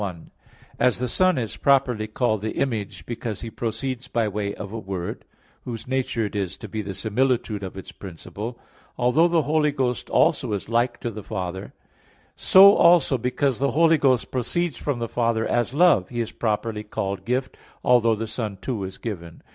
1: As the Son is properly called the Image because He proceeds by way of a word, whose nature it is to be the similitude of its principle, although the Holy Ghost also is like to the Father; so also, because the Holy Ghost proceeds from the Father as love, He is properly called Gift, although the Son, too, is given.